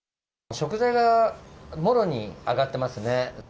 食材がもろに上がってますね。